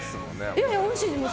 いや、おいしいです。